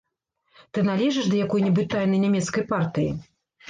Ты належыш да якой-небудзь тайнай нямецкай партыі?